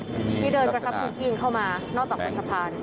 ที่เดินกระชับพื้นที่กันเข้ามานอกจากบนสะพาน